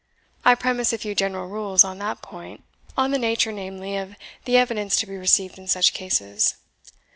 I premise a few general rules on that point, on the nature, namely, of the evidence to be received in such cases.